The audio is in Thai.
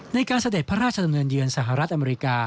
เสด็จพระราชดำเนินเยือนสหรัฐอเมริกา